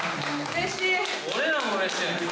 うれしい！